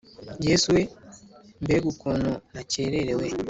yesu we mbega ukuntu nakererewe